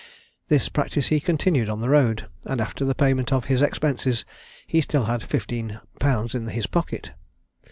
This practice he continued on the road, and after the payment of his expenses he still had 15_l._ in his pocket.